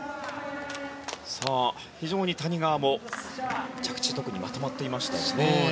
非常に谷川も着地特にまとまっていましたよね。